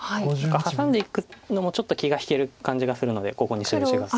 ハサんでいくのもちょっと気が引ける感じがするのでここに白地が。